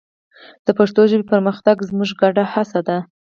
د پښتو ژبې پرمختګ زموږ ګډه هڅه ده.